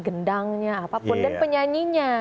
gendangnya apapun dan penyanyinya